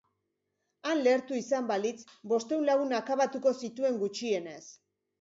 Han lehertu izan balitz, bostehun lagun akabatuko zituen gutxienez.